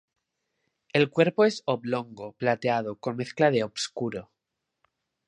El cuerpo es oblongo, plateado, con mezcla de obscuro.